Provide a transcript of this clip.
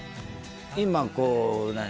今こう何？